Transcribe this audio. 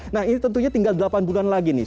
nah ini tentunya tinggal delapan bulan lagi nih